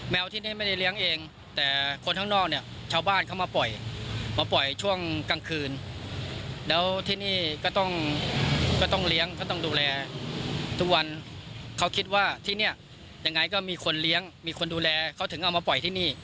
ที่นี่ไม่ได้เลี้ยงเองแต่คนข้างนอกเนี่ยชาวบ้านเขามาปล่อยมาปล่อยช่วงกลางคืนแล้วที่นี่ก็ต้องก็ต้องเลี้ยงก็ต้องดูแลทุกวันเขาคิดว่าที่เนี่ยยังไงก็มีคนเลี้ยงมีคนดูแลเขาถึงเอามาปล่อยที่นี่